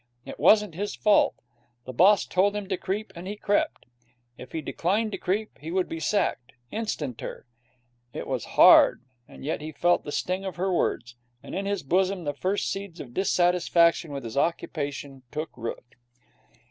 It wasn't his fault. The boss told him to creep, and he crept. If he declined to creep, he would be sacked instanter. It was hard, and yet he felt the sting of her words, and in his bosom the first seeds of dissatisfaction with his occupation took root.